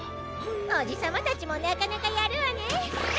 おじさまたちもなかなかやるわね。